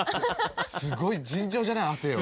すごい尋常じゃない汗よ。